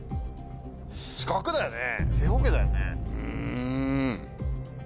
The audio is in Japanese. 四角だよね？